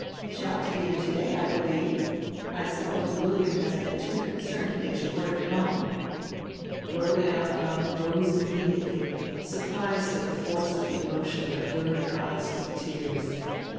She ought to be into day, I believe. I suppose William has been too concerned to get you word at home." Rhoda Ammidon rose immediately, surprised at the force of the emotion that blurred her eyes with tears.